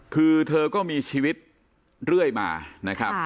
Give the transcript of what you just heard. คือเธอก็มีชีวิตเรื่อยมานะครับ